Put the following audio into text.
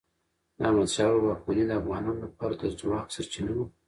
د احمد شاه بابا واکمني د افغانانو لپاره د ځواک سرچینه وه.